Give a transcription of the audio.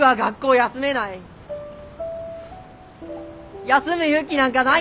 休む勇気なんかないんだ。